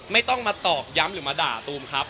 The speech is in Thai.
ไม่ต้องมาตอกย้ำหรือมาด่าตูมครับ